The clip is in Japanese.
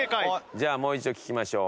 じゃあもう一度聴きましょう。